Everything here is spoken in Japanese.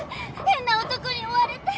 変な男に追われて。